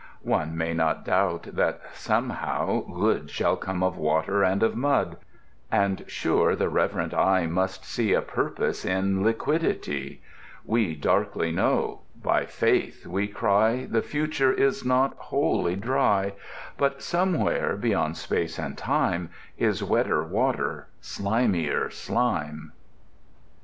One may not doubt that, somehow, Good Shall come of Water and of Mud; And, sure, the reverent eye must see A Purpose in Liquidity. We darkly know, by Faith we cry The future is not Wholly Dry.... But somewhere, beyond Space and Time, Is wetter water, slimier slime!